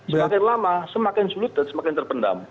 semakin lama semakin sulit dan semakin terpendam